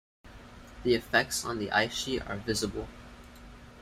The effects on the ice sheet are visible.